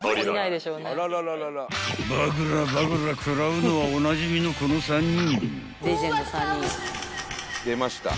［バグらバグら食らうのはおなじみのこの３人］